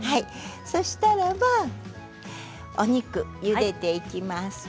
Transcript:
そしたらばお肉をゆでていきます。